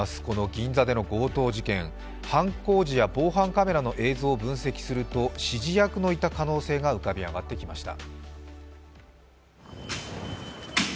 銀座での強盗事件、犯行時や防犯カメラの映像を分析すると、指示役のいた可能性が浮かび上がってきました。